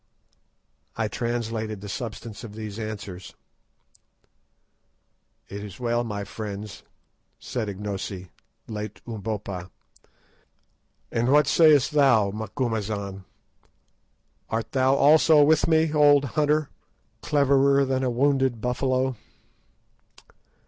I translated the substance of these answers. "It is well, my friends," said Ignosi, late Umbopa; "and what sayest thou, Macumazahn, art thou also with me, old hunter, cleverer than a wounded buffalo?"